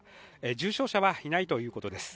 重傷者はいないということです。